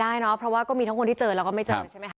ฐานพระพุทธรูปทองคำ